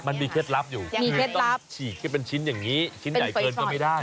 เคล็ดลับอยู่คือต้องฉีกที่เป็นชิ้นอย่างนี้ชิ้นใหญ่เกินก็ไม่ได้